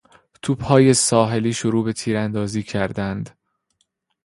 توپهای ساحلی شروع به تیراندازی کردند.